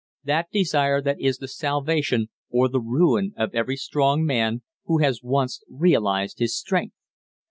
That desire that is the salvation or the ruin of every strong man who has once realized his strength.